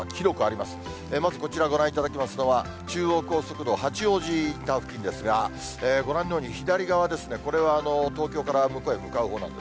まずこちらご覧いただきますのは、中央高速道八王子インター付近ですが、ご覧のように、左側、これは東京から向こうへ向かうほうなんです。